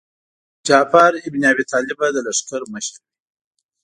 جعفر ابن ابي طالب به د لښکر مشر وي.